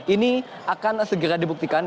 ini akan segera dibuktikan